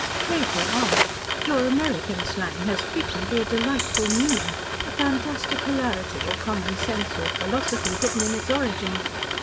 Pray go on. Your American slang has frequently a delightful meaning a fantastic hilarity, or common sense, or philosophy, hidden in its origin.